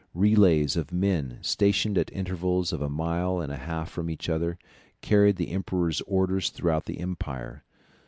Relays of men, stationed at intervals of a mile and a half from each other, carried the emperor's orders throughout the empire.